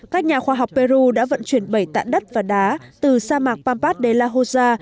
các nhà khoa học peru đã vận chuyển bảy tạng đất và đá từ sa mạc pampas de la hosa